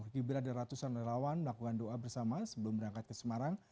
gibran dan ratusan relawan melakukan doa bersama sebelum berangkat ke semarang